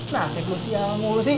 nasib mu siang mulu sih